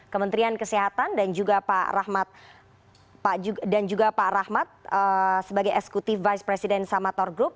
kementerian kesehatan dan juga pak rahmat sebagai eksekutif vice president samator group